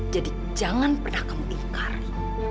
jadi jangan pernah kamu ingkari